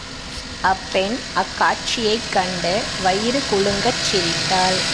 அப்பெண் அக் காட்சியைக் கண்டு வயிறு குலுங்கச் சிரித்தாள்.